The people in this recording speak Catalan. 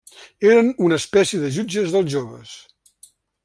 Eren una espècie de jutges dels joves.